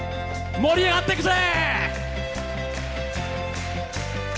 盛り上がっていくぜ！